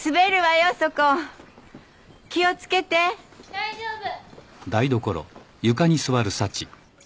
大丈夫。